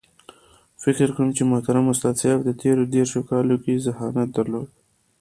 فکر کوم محترم استاد سیاف په تېرو دېرشو کالو کې ذهانت درلود.